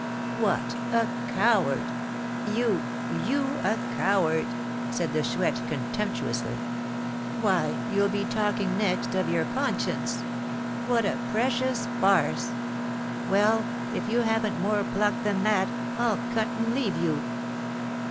"What! a coward! you you a coward!" said the Chouette, contemptuously. "Why, you'll be talking next of your conscience! What a precious farce! Well, if you haven't more pluck than that, I'll 'cut' and leave you."